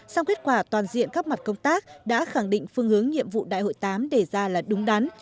song kết quả toàn diện các mặt công tác đã khẳng định phương hướng nhiệm vụ đại hội tám đề ra là đúng đắn